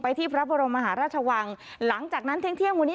ที่พระบรมมหาราชวังหลังจากนั้นเที่ยงเที่ยงวันนี้